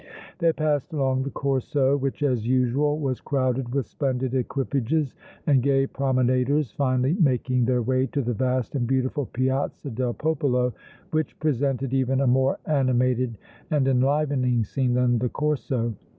They passed along the Corso, which as usual was crowded with splendid equipages and gay promenaders, finally making their way to the vast and beautiful Piazza del Popolo, which presented even a more animated and enlivening scene than the Corso.